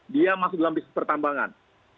dia masuk dalam bisnis pertambangan